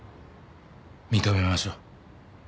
認めましょう。